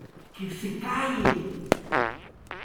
¡ que se calle!